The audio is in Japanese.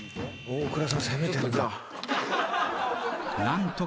大倉さん